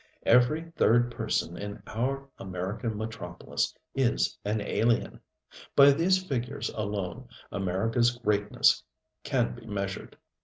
Every third person in our American metropolis is an alien. By these figures alone AmericaŌĆÖs greatness can be measured.